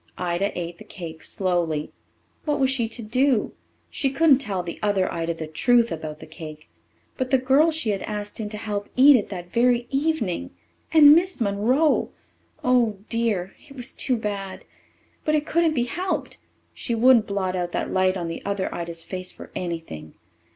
Ida ate the cake slowly. What was she to do? She couldn't tell the other Ida the truth about the cake. But the girls she had asked in to help eat it that very evening! And Miss Monroe! Oh, dear, it was too bad. But it couldn't be helped. She wouldn't blot out that light on the other Ida's face for anything!